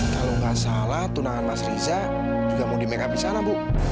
kalau nggak salah tunangan mas riza juga mau di make up di sana bu